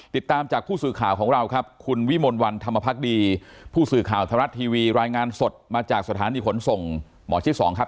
ติดตามจากผู้สื่อข่าวของเราครับคุณวิมลวันธรรมพักดีผู้สื่อข่าวธรรมรัฐทีวีรายงานสดมาจากสถานีขนส่งหมอชิด๒ครับ